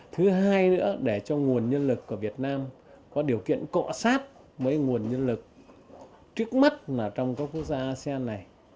thứ hai nữa để cho nguồn nhân lực của việt nam có điều kiện cọ sát với nguồn nhân lực trước mắt là trong các quốc gia asean này